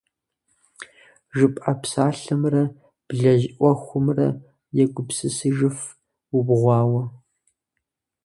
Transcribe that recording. ЖыпӀэ псалъэмрэ блэжь Ӏуэхумрэ егупсысыжыф убгъуауэ.